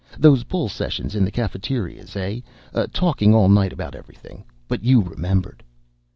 "Those bull sessions in the cafeterias, eh? Talking all night about everything. But you remembered."